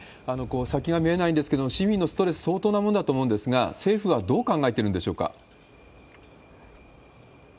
先が見えないんですけれども、市民のストレス、相当なものだと思うんですが、政府はどう考えているんでしょうか。